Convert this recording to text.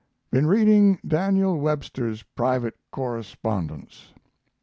Been reading Daniel Webster's Private Correspondence.